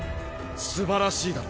すばらしいだろ？